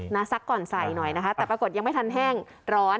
ซักก่อนใส่หน่อยนะคะแต่ปรากฏยังไม่ทันแห้งร้อน